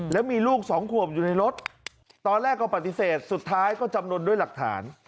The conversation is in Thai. แล้วมีลูกสองขวบอยู่ในรถตอนแรกก็ปฏิเสธสุดท้ายก็จำนวนด้วยหลักฐาน